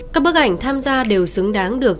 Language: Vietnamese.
các bức ảnh tham gia đều xứng đáng được